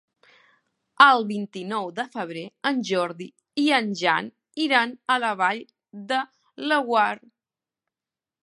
El vint-i-nou de febrer en Jordi i en Jan iran a la Vall de Laguar.